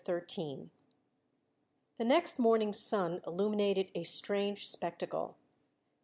XIII The next morning's sun illuminated a strange spectacle.